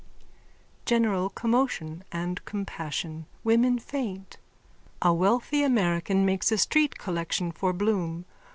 _(General commotion and compassion. Women faint. A wealthy American makes a street collection for Bloom.